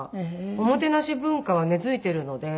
おもてなし文化は根付いてるので。